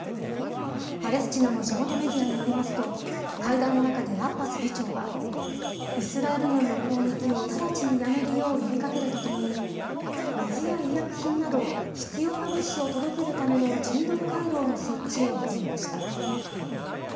パレスチナの地元メディアによりますと、会談の中でアッバス議長は、イスラエル軍の攻撃を直ちにやめるよう呼びかけるとともに、水や医薬品など、必要な物資を届けるための人道回廊の設置を求めました。